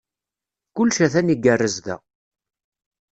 Kullec a-t-an igerrez da.